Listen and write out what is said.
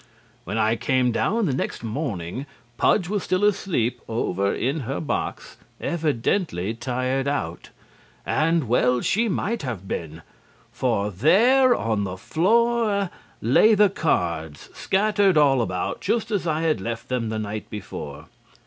When I came down the next morning Pudge was still asleep over in her box, evidently tired out. And well she might have been. For there on the floor lay the cards scattered all about just as I had left them the night before.